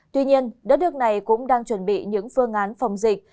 tuy nhiên đất nước này cũng đang chuẩn bị những phương án phòng dịch